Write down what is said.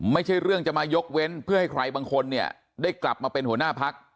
ไม่ใช่เรื่องจะมายกเว้นเพื่อให้ใครบางคนเนี่ยได้กลับมาเป็นหัวหน้าพัก